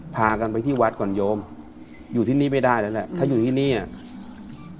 พากันไปที่วัดก่อนโยมอยู่ที่นี่ไม่ได้แล้วแหละถ้าอยู่ที่นี่อ่ะ